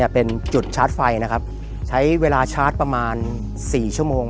เป็นจุดชาร์จไฟนะครับใช้เวลาชาร์จประมาณ๔ชั่วโมง